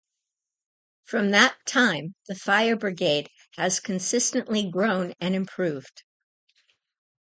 From that time, the Fire Brigade has consistently grown and improved.